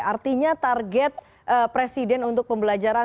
artinya target presiden untuk pembelajaran